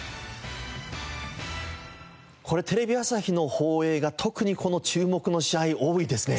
これテレビ朝日の放映が特に注目の試合多いですね。